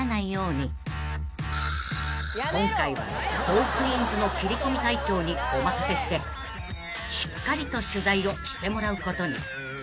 ［今回は『トークィーンズ』の切り込み隊長にお任せしてしっかりと取材をしてもらうことに］